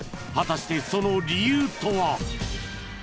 ［果たしてその理由とは］